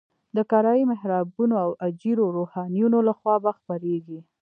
د کرایي محرابونو او اجیرو روحانیونو لخوا به خپرېږي.